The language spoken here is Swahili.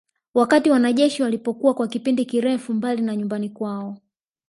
Wakati wanajeshi walipokuwa kwa kipindi kirefu mbali na nyumbani kwao